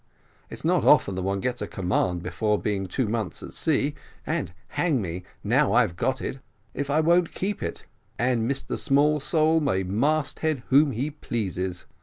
It's not often that one gets a command before being two months at sea, and, hang me, now I've got it if I won't keep it; and Mr Smallsole may mast head whom he pleases.